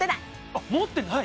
あっ持ってない？